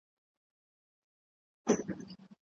که د کاغذ عمر معلومول غواړئ نو د ساینس له مخکښانو مرسته وغواړئ.